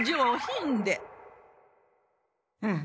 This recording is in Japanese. うん。